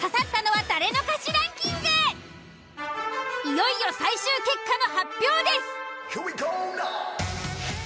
いよいよ最終結果の発表です。